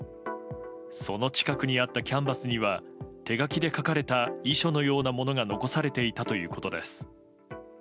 その近くにあったキャンバスには手書きで書かれた遺書のようなものが残されていたということです。